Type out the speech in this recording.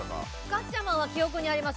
「ガッチャマン」は記憶にあります。